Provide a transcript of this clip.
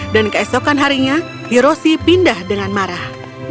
dan keesokan harinya hiroshi pindah dengan marah